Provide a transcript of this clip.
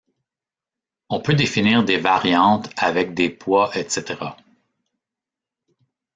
On peut définir des variantes, avec des poids etc.